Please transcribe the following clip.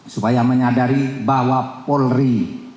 supaya menyadari bahwa polri